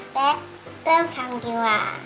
และเริ่มทำดีกว่า